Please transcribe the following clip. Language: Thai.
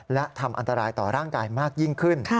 และทำอันตรายต่อร่างกายมากยิ่งขึ้น